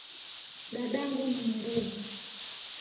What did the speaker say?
Dadangu ni mwerevu